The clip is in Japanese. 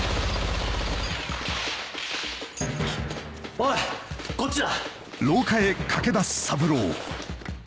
おいこっちだ。